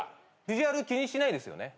ビジュアル気にしないですよね？